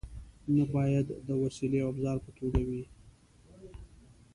نه باید د وسیلې او ابزار په توګه وي.